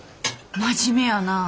真面目やなあ。